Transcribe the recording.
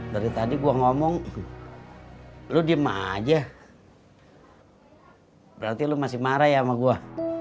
dari tadi gue ngomong lu diem aja berarti lu masih marah ya sama gue